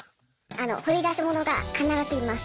あの掘り出し物が必ずいます。